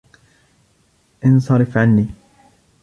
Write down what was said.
انصرف عني!